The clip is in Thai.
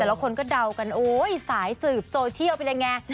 แล้วคนก็เดากันโอ๊ยสายสืบโซเชียลเป็นยังไง